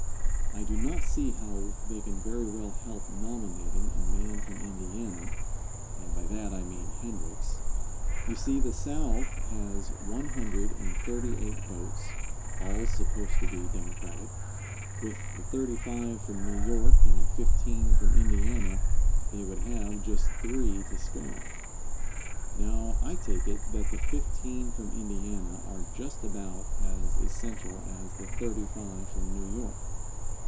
I do not see how they can very well help nominating a man from Indiana, and by that I mean Hendricks. You see the South has one hundred and thirty eight votes, all supposed to be Democratic; with the thirty five from New York and fifteen from Indiana they would have just three to spare. Now, I take it, that the fifteen from Indiana are just about as essential as the thirty five from New York.